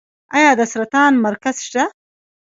آیا د سرطان مرکز شته؟